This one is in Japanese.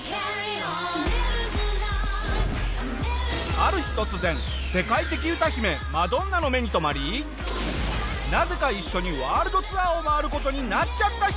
ある日突然世界的歌姫マドンナの目に留まりなぜか一緒にワールドツアーを回る事になっちゃった人。